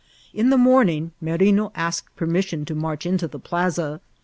In the momiiig Merino asked permission to march into the plaza.